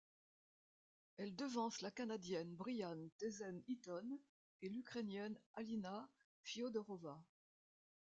Elle devance la Canadienne Brianne Theisen-Eaton et l'Ukrainienne Alina Fyodorova.